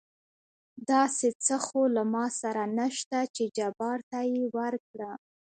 داسې څه خو له ما سره نشته چې جبار ته يې ورکړم.